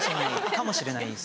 かもしれないです。